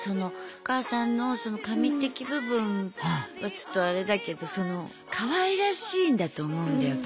お母さんのその神的部分はちょっとあれだけどかわいらしいんだと思うんだよ